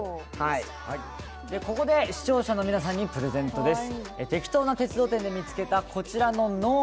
ここで視聴者の皆さんにプレゼントです。